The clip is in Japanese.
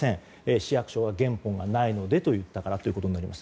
市役所は原本がないからと言ったからです。